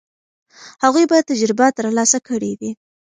هغوی به تجربه ترلاسه کړې وي.